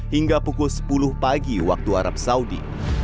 hingga pukul sepuluh pagi waktu arab saudi